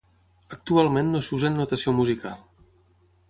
Actualment no s'usa en notació musical.